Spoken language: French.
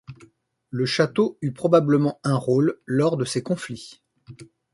Le château eut probablement un rôle lors de ces conflits.